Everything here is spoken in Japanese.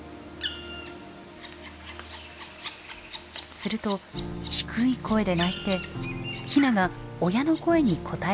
すると低い声で鳴いてヒナが親の声に答え始めます。